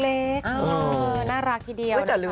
เออน่ารักทีเดียวนะครับ